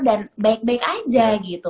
dan baik baik aja gitu